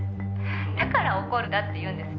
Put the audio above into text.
「だから怒るんだって言うんですよ」